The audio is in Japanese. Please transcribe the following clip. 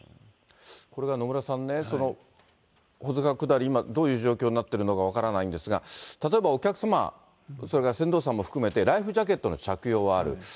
これが野村さんね、保津川下り、今、どういう状況になってるのか分からないんですが、例えばお客様、それから船頭さんも含めて、ライフジャケットの着用はある。